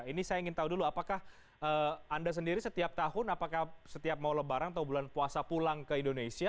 ini saya ingin tahu dulu apakah anda sendiri setiap tahun apakah setiap mau lebaran atau bulan puasa pulang ke indonesia